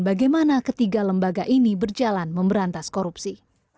bagaimana ketiga lembaga ini berjalan memberantas korupsi